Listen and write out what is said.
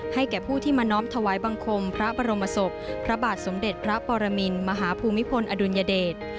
แก่ผู้ที่มาน้อมถวายบังคมพระบรมศพพระบาทสมเด็จพระปรมินมหาภูมิพลอดุลยเดช